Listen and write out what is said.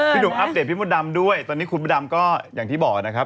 หนุ่มอัปเดตพี่มดดำด้วยตอนนี้คุณมดดำก็อย่างที่บอกนะครับ